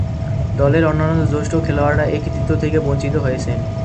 দলের অন্যান্য জ্যেষ্ঠ খেলোয়াড়েরা এ কৃতিত্ব থেকে বঞ্চিত হয়েছেন।